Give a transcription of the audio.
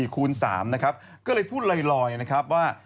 คูณ๓นะครับก็เลยพูดลอยนะครับว่า